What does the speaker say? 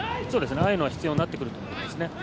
ああいうのは必要になってくると思いますね。